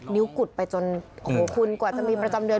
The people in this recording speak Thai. ้วกุดไปจนโอ้โหคุณกว่าจะมีประจำเดือน